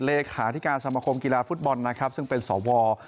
เลขาธิกาสมคมกีฬาฟุตบอลซึ่งเป็นสอวร